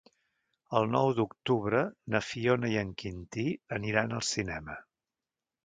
El nou d'octubre na Fiona i en Quintí aniran al cinema.